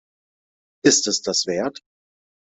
Ist es das wert?